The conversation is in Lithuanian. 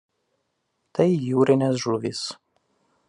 Tai jūrinės žuvys.